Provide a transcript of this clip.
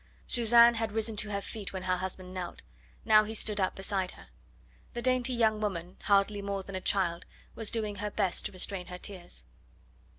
Suzanne had risen to her feet when her husband knelt; now he stood up beside her. The dainty young woman hardly more than a child was doing her best to restrain her tears.